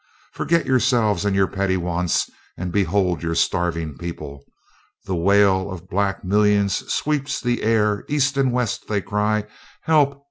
Forget yourselves and your petty wants, and behold your starving people. The wail of black millions sweeps the air east and west they cry, Help!